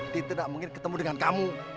dia tidak mungkin ketemu dengan kamu